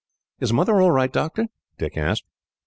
"Is Mother all right, doctor?" Dick asked.